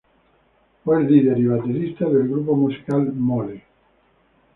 Fue el líder y baterista del grupo musical Mole.